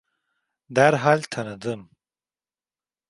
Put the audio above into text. Derhal tanıdım.